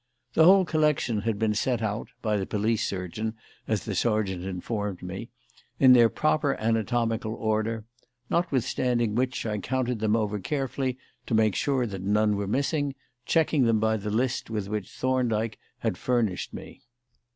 The whole collection had been set out (by the police surgeon, as the sergeant informed me) in their proper anatomical order; notwithstanding which I counted them over carefully to make sure that none were missing, checking them by the list with which Thorndyke had furnished me.